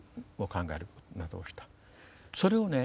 それをね